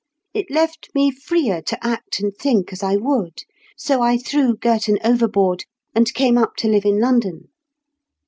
It left me freer to act and think as I would. So I threw Girton overboard, and came up to live in London."